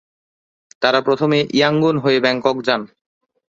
তারা প্রথমে ইয়াঙ্গুন হয়ে ব্যাংকক যান।